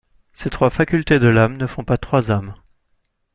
Ces trois facultés de l'âme ne font pas trois âmes.